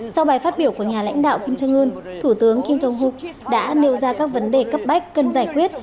sau bài phát biểu của nhà lãnh đạo kim trương hương thủ tướng kim trương hương đã nêu ra các vấn đề cấp bách cần giải quyết